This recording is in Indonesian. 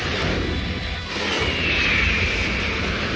keragamannya al compared andre diawari